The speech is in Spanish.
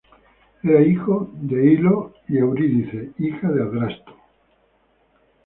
Era hijo de Ilo y Eurídice, hija de Adrasto.